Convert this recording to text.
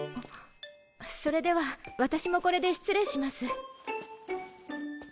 それでは私もこれで失礼します。